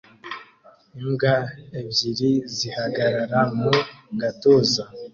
Imbwa ebyiri zihagarara mu gatuza